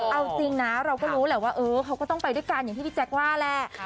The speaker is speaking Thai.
เอาจริงนะเราก็รู้แหละว่าเขาก็ต้องไปด้วยกันอย่างที่พี่แจ๊คว่าแหละ